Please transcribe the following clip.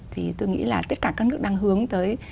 thì tôi nghĩ là tất cả các nước đang hướng tới